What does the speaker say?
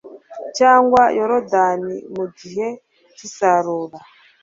cyangwa yorudani mu gihe cy'isarura